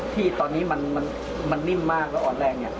ที่ตอนนี้มันนิ่มมากและอ่อนแรง